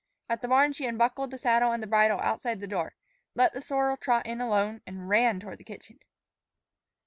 At the barn she unbuckled the saddle and the bridle outside the door, let the sorrel trot in alone, and ran toward the kitchen.